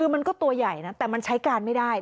มันก็ตัวใหญ่นะแต่มันใช้การไม่ได้